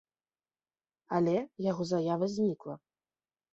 Але яго заява знікла.